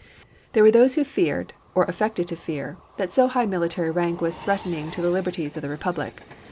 There were those who feared, or affected to fear, that so high military rank was threatening to the liberties of the republic.